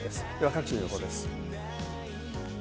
各地の予報です。